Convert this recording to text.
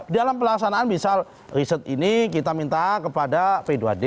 dalam pelaksanaan misal riset ini kita minta kepada p dua d